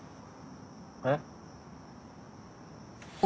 えっ？